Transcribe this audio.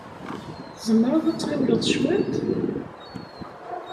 Tzemreḍ ad tɣiwleḍ cwiṭ?